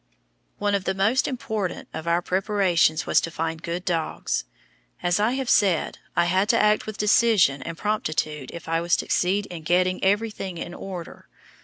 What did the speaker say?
One of the most important of our preparations was to find good dogs. As I have said, I had to act with decision and promptitude if I was to succeed in getting everything in order.